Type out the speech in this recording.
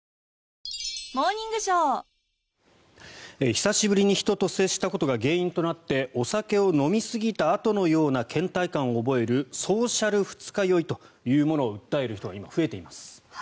久しぶりに人と接したことが原因となってお酒を飲みすぎたあとのようなけん怠感を覚えるソーシャル二日酔いというものを訴える人が今、増えています。